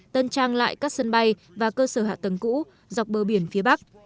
tân trang lại các sân bay và cơ sở hạ tầng cũ dọc bờ biển phía bắc